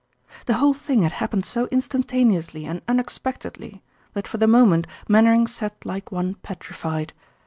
The whole thing had happened so instantaneously and unexpectedly that for the moment Mainwaring sat like one petrified.